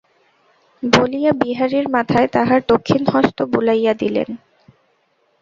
বলিয়া বিহারীর মাথায় তাঁহার দক্ষিণ হস্ত বুলাইয়া দিলেন।